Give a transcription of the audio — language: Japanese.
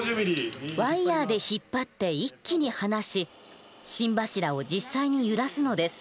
ワイヤーで引っ張って一気に放し心柱を実際に揺らすのです。